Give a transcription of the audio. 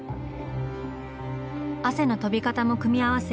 汗の飛び方も組み合わせ